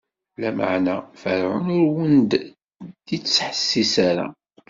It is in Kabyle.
Lameɛna, Ferɛun ur wen-d-ittḥessis ara.